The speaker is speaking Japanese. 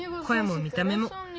こえも見た目も。